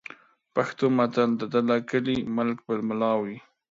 پښتو متل: "د دله کلي ملک به مُلا وي"